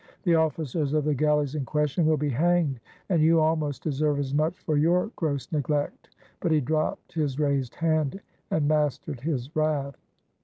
The officers of the galleys in question will be hanged, and you almost deserve as much for your gross neglect." But he dropped his raised hand and mastered his wrath.